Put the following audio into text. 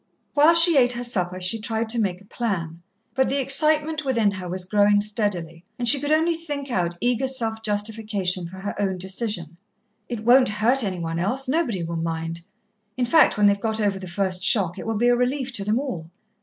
While she ate her supper she tried to make a plan, but the excitement within her was growing steadily, and she could only think out eager self justification for her own decision. "It won't hurt any one else nobody will mind. In fact, when they've got over the first shock, it will be a relief to them all.